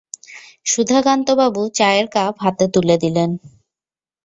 সুধাকান্তবাবু চায়ের কাপ হাতে তুলে দিলেন।